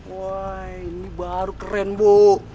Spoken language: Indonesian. wah ini baru keren bu